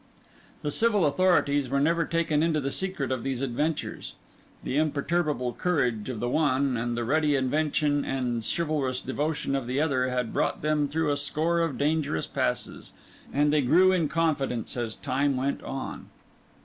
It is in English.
The civil authorities were never taken into the secret of these adventures; the imperturbable courage of the one and the ready invention and chivalrous devotion of the other had brought them through a score of dangerous passes; and they grew in confidence as time went on.